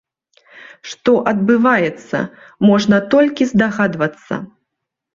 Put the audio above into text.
Што адбываецца, можна толькі здагадвацца.